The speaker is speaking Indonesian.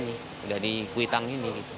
saya sudah di kuitang